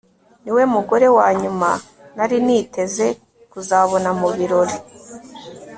Niwe mugore wanyuma nari niteze kuzabona mubirori